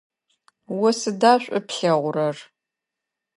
О сыда шӏу плъэгъурэр?